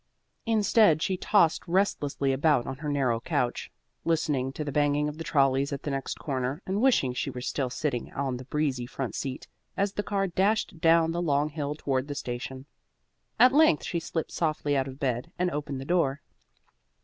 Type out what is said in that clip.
Instead she tossed restlessly about on her narrow couch, listening to the banging of the trolleys at the next corner and wishing she were still sitting on the breezy front seat, as the car dashed down the long hill toward the station. At length she slipped softly out of bed and opened the door.